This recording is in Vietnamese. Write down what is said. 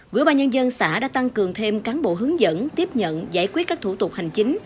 quỹ ba nhân dân xã đã tăng cường thêm cán bộ hướng dẫn tiếp nhận giải quyết các thủ tục hành chính